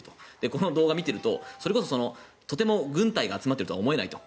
この動画を見ているととても軍隊が集まっているとは思えないと。